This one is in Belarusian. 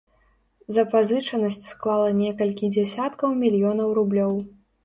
Запазычанасць склала некалькі дзясяткаў мільёнаў рублёў.